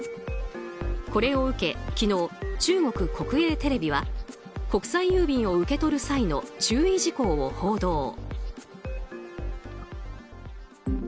これを受け、昨日中国国営テレビは国際郵便を受け取る際の注意事項を報道。